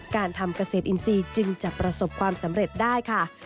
การทำเกษตรอินทรีย์จึงจะประสบความสำเร็จได้ค่ะ